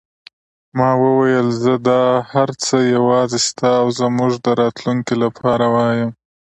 ما وویل: زه دا هر څه یوازې ستا او زموږ د راتلونکې لپاره وایم.